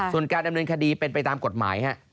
ส่วนการดำเนินคดีเป็นไปตามกฎหมายฮะ